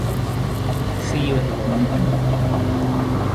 See you in the morning.